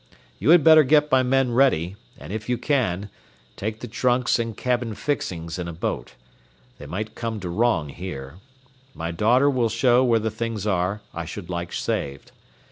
You had better get my men ready, and if you can, take the trunks and cabin fixings in a boat. They might come to wrong here. My daughter will show where the things are I should like saved.